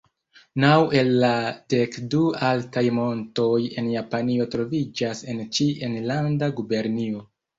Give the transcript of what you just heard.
Naŭ el la dek du altaj montoj en Japanio troviĝas en ĉi enlanda gubernio.